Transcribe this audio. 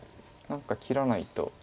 何か切らないと。